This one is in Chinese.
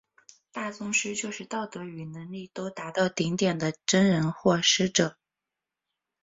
大宗师就是道德与能力都达到顶点的真人或师者。